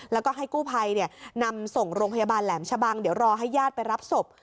แล้วก็ให้กู้ภัยนำส่งโรงพยาบาลแหลมชะบังเดี๋ยวรอให้ญาติไปรับศพ